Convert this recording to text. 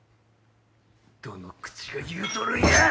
どの口が言うとるんや！